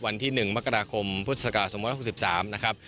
วันที่๑มกราคมพฤศกา๒๖๓นะครับ